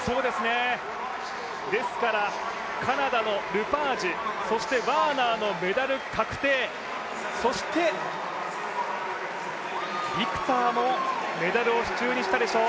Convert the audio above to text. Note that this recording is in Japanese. カナダのルパージュ、ワーナーのメダル確定、そしてビクターもメダルを手中にしたでしょう。